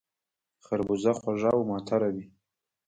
خربوزه خوږه او معطره وي